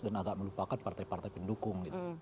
dan agak melupakan partai partai pendukung